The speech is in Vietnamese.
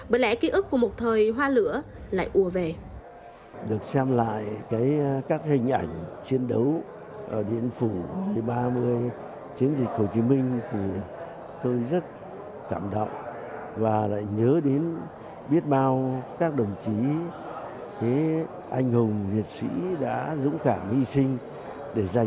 bởi lẽ ký ức của một thời hoa lửa